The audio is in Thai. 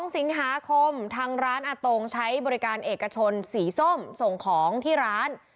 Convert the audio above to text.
๒สิงหาคมทางร้านอาตงใช้บริการเอกชนสีส้มส่งของที่ร้าน